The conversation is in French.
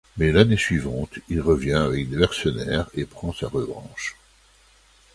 Mais l'année suivante, il revient avec des mercenaires et prend sa revanche.